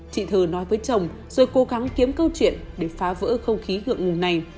chị thơ nói với chồng rồi cố gắng kiếm câu chuyện để phá vỡ không khí ngượng ngùng này